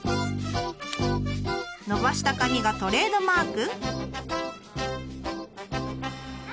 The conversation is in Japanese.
伸ばした髪がトレードマーク。